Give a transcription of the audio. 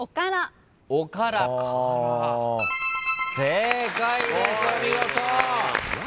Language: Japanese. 正解ですお見事！